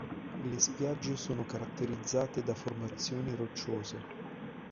Le spiagge sono caratterizzate da formazioni rocciose.